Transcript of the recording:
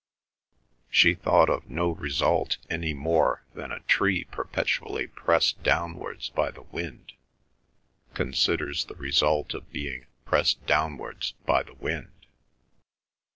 She thought of no result any more than a tree perpetually pressed downwards by the wind considers the result of being pressed downwards by the wind.